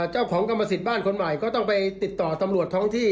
กรรมสิทธิ์บ้านคนใหม่ก็ต้องไปติดต่อตำรวจท้องที่